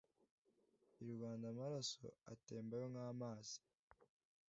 i Rwanda Amaraso atembayo nk’amazi